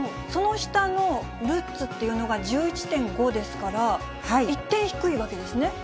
その下のルッツっていうのが１１．５ですから、１点低いわけですね。